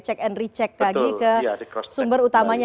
cek and recheck lagi ke sumber utamanya